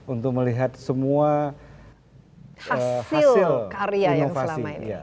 untuk melihat semua hasil karya yang selama ini